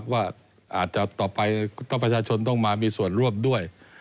ว่าอาจจะต่อไปถ้าประชาชนต้องมามีส่วนร่วมด้วย